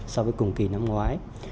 so với cùng kỳ năm ngoái